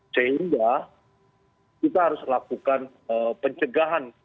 sehingga kita harus lakukan pencegahan